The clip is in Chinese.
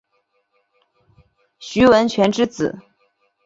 徐文铨之子。